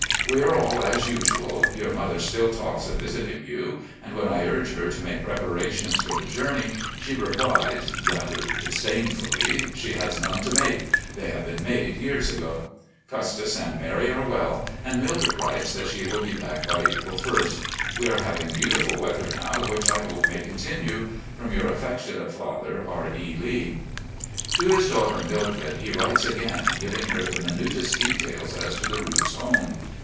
We are all as usual. Your mother still talks of visiting you, and when I urge her to make preparations for the journey, she replies rather disdainfully she has none to make; they have been made years ago. Custis and Mary are weU, and Mildred writes that she will be back by April ist. We are having beautiful weather now, which I hope may continue. From "Your affectionate father, R. E. Lee." To his daughter Mildred he writes again, giving her the minutest details as to the routes home.